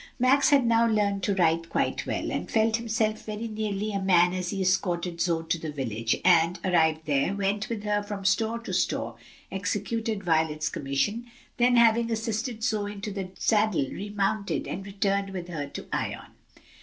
Max had now learned to ride quite well, and felt himself very nearly a man as he escorted Zoe to the village, and, arrived there, went with her from store to store, executed Violet's commission, then having assisted Zoe into the saddle remounted, and returned with her to Ion.